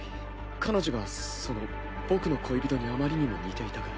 彼女がその僕の恋人にあまりにも似ていたから。